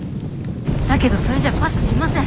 だけどそれじゃパスしません。